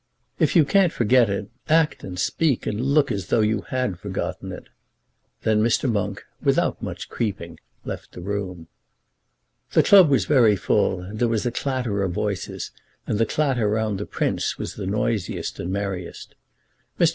If you can't forget it, act and speak and look as though you had forgotten it." Then Mr. Monk, without much creeping, left the room. The club was very full, and there was a clatter of voices, and the clatter round the Prince was the noisiest and merriest. Mr.